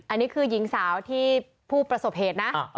อันนี้คือหญิงสาวที่ผู้ประสบเหตุนะ